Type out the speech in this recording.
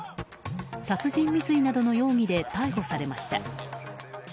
殺人未遂などの容疑で逮捕されました。